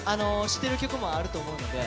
知ってる曲もあると思いますので。